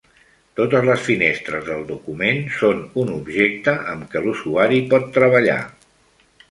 Totes les finestres del document són un objecte amb què l'usuari pot treballar.